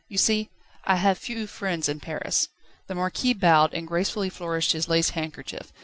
You see, I have few friends in Paris." The Marquis bowed, and gracefully flourished his lace handkerchief.